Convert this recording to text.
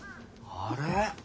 あれ？